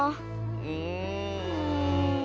うん。